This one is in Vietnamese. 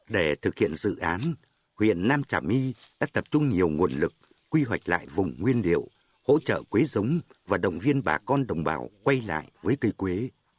để thực hiện dự án huyện nam trà my đã tập trung nhiều nguồn lực quy hoạch lại vùng nguyên liệu hỗ trợ quế giống và động viên bà con đồng bào quay lại với cây quế